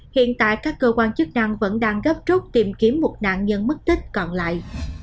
hiện tại các cơ quan chức năng vẫn đang gấp rút tìm kiếm một nạn nhân mất tích còn lại